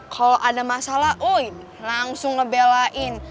kalau ada masalah oh langsung ngebelain